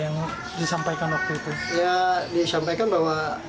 ya disampaikan bahwa mas amah